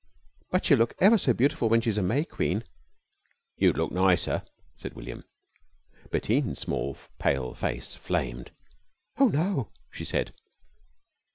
"But she'll look ever so beautiful when she's a May Queen." "You'd look nicer," said William. Bettine's small pale face flamed. "Oh no," she said.